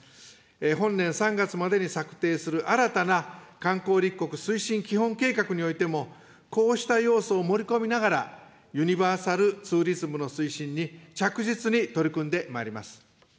本年３月までに策定する新たな観光立国推進基本計画においても、こうした要素を盛り込みながら、ユニバーサルツーリズムの推進に着実に取り組んでまいります。